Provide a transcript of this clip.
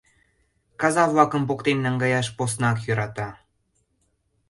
Каза-влакым поктен наҥгаяш поснак йӧрата.